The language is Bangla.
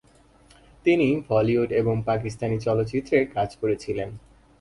তিনি বলিউড এবং পাকিস্তানি চলচ্চিত্রে কাজ করেছিলেন।